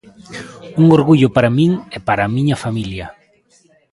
Un orgullo para min e para a miña familia.